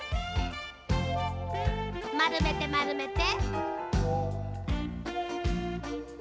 まるめてまるめて。